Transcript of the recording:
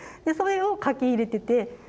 それを描き入れてて。